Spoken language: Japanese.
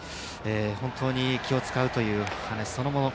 本当に気を使うという話そのもの。